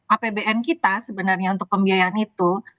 apbn kita sebenarnya untuk pembiayaan itu